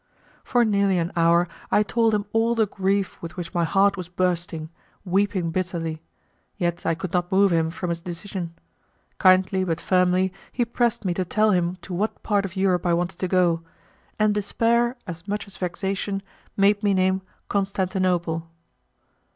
For nearly an hour I told him all the grief with which my heart was bursting, weeping bitterly; yet I could not move him from his decision. Kindly, but firmly he pressed me to tell him to what part of Europe I wanted to go, and despair as much as vexation made me name Constantinople.